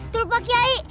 betul pak kyai